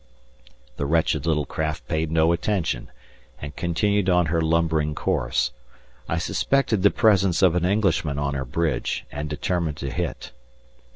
The wretched little craft paid no attention, and continued on her lumbering course. I suspected the presence of an Englishman on her bridge, and determined to hit.